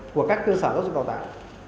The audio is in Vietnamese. của các cơ sở giáo dục đào tạo